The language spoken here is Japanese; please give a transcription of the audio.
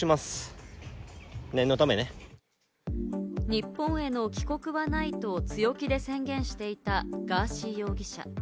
日本への帰国はないと、強気で宣言していたガーシー容疑者。